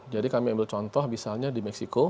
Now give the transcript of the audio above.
jadi kami ambil contoh misalnya di meksiko